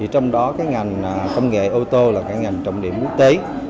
trong đó cái ngành công nghệ ô tô là ngành trọng điểm quốc tế